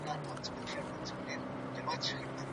په اوبو کې د تمرین شدت د عضلاتو لپاره مناسب دی.